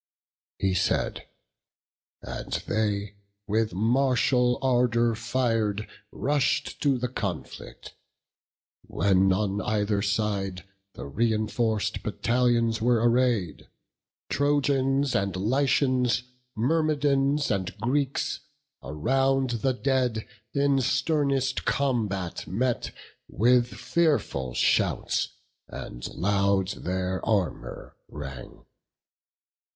He said; and they, with martial ardour fir'd, Rush'd to the conflict. When on either side The reinforc'd battalions were array'd, Trojans and Lycians, Myrmidons and Greeks Around the dead in sternest combat met, With fearful shouts; and loud their armour rang.